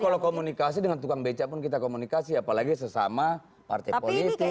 kalau komunikasi dengan tukang beca pun kita komunikasi apalagi sesama partai politik